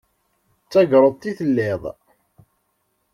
D tagrudt i telliḍ.